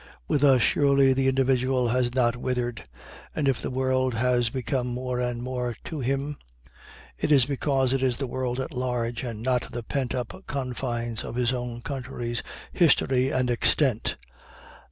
With us surely the individual has not withered, and if the world has become more and more to him, it is because it is the world at large and not the pent up confines of his own country's history and extent.